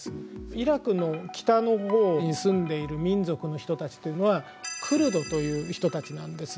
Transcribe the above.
イラクの北のほうに住んでいる民族の人たちというのはクルドという人たちなんです。